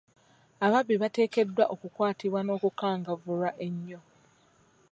Ababbi bateekeddwa okukwatibwa n'okukangavvulwa ennyo.